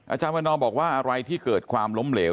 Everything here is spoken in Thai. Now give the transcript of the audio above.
อาจารย์วันนอบอกว่าอะไรที่เกิดความล้มเหลว